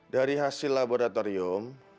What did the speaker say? dari hasil laboratorium